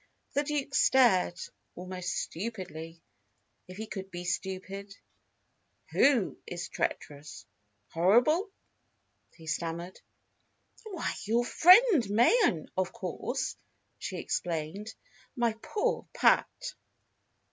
The Duke stared, almost stupidly if he could be stupid. "Who is treacherous horrible?" he stammered. "Why, your friend Mayen, of course!" she explained. "My poor Pat!"